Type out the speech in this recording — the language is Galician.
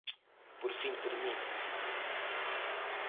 Por fin termina.